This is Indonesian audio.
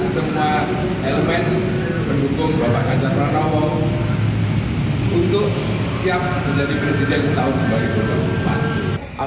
semua elemen pendukung bapak ganjar pranowo untuk siap menjadi presiden tahun dua ribu dua puluh empat